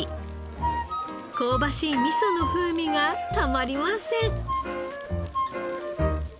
香ばしい味噌の風味がたまりません。